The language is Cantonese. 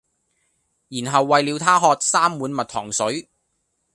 然後餵了她喝三碗蜜糖水